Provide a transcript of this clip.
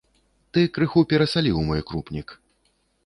Ты крыху перасаліў мой крупнік.